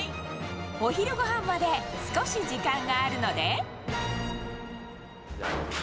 お昼ごはんまで少し時間があるので。